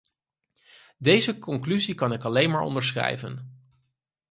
Deze conclusie kan ik alleen maar onderschrijven.